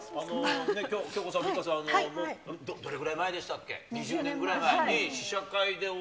恭子さん、美香さん、どれぐらい前でしたっけ？